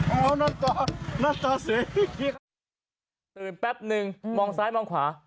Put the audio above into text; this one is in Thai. เอานั่นตอนนั่นตอนเสียพี่ครับตื่นแป๊บหนึ่งมองซ้ายมองขวา